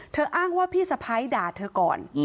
อ้างว่าพี่สะพ้ายด่าเธอก่อน